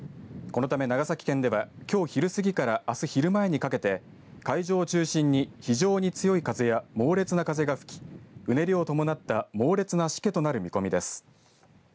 このため長崎県ではきょう昼過ぎからあす昼前にかけて海上を中心に非常に強い風や猛烈な風が吹きうねりを伴った猛烈なしけとなる見込みです。